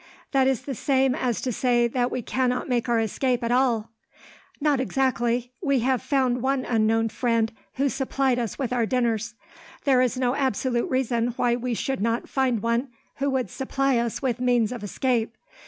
"That is the same as to say that we cannot make our escape at all." "Not exactly. We have found one unknown friend, who supplied us with our dinners. There is no absolute reason why we should not find one who would supply us with means of escape.